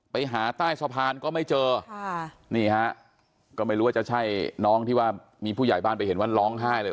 ไปหาใต้สะพานก็ไม่เจอค่ะนี่ฮะก็ไม่รู้ว่าจะใช่น้องที่ว่ามีผู้ใหญ่บ้านไปเห็นว่าร้องไห้เลย